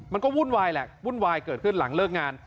วุ่นวายแหละวุ่นวายเกิดขึ้นหลังเลิกงาน